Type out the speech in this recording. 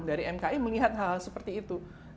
dari mki melihat hal hal seperti itu